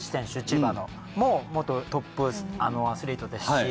千葉の。も元トップアスリートですし。